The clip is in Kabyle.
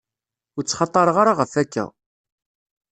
Ur ttxaṭareɣ ara ɣef akka.